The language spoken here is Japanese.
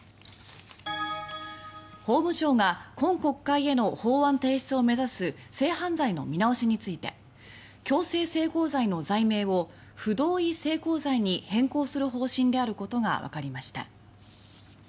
法務省が今国会への法案提出を目指す性犯罪の見直しについて強制性交罪の罪名を不同意性交罪に変更する方針であることがわかりました。